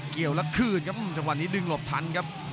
เกี่ยวแล้วคืนครับจังหวะนี้ดึงหลบทันครับ